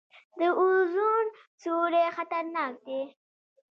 د اوزون سورۍ خطرناک دی